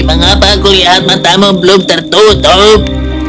mengapa aku lihat matamu belum tertutup